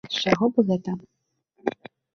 З чаго б гэта?